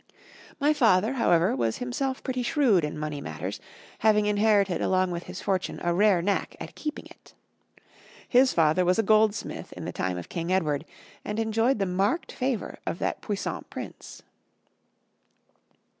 My father, however, was himself pretty shrewd in money matters, having inherited along with his fortune a rare knack at keeping it. His father was a goldsmith in the time of King Edward, and enjoyed the marked favor of that puissant prince.